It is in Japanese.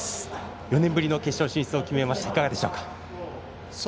４年ぶりの決勝進出を決めました、いかがでしょうか？